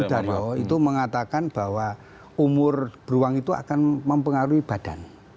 sudaryo itu mengatakan bahwa umur beruang itu akan mempengaruhi badan